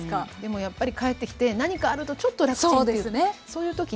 でもやっぱり帰ってきて何かあるとちょっと楽ちんという。